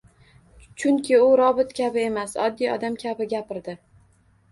Chunki u robot kabi emas, oddiy odam kabi gapirdi